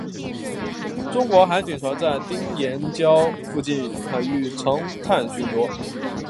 中国海警船在丁岩礁附近海域常态巡逻。